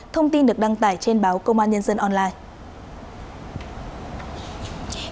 thông tin được đăng tải trên báo công an nhân dân online